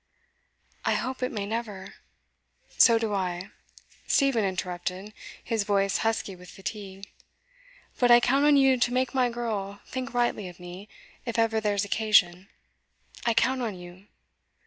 'I hope it may never ' 'So do I,' Stephen interrupted, his voice husky with fatigue. 'But I count on you to make my girl think rightly of me, if ever there's occasion. I count on you.